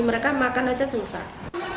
mereka makan saja susah